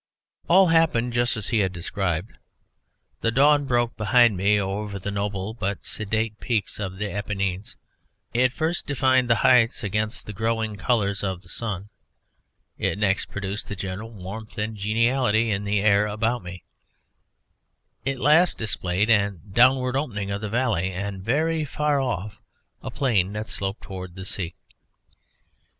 All happened just as he had described. The dawn broke behind me over the noble but sedate peaks of the Apennines; it first defined the heights against the growing colours of the sun, it next produced a general warmth and geniality in the air about me; it last displayed the downward opening of the valley, and, very far off, a plain that sloped towards the sea.